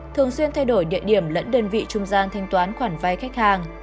thường xuyên thay đổi địa điểm lẫn đơn vị trung gian thanh toán khoản vay khách hàng